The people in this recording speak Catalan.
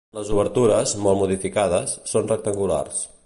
Les obertures, molt modificades, són rectangulars.